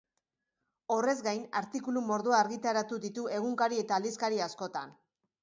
Horrez gain, artikulu mordoa argitaratu ditu egunkari eta aldizkari askotan.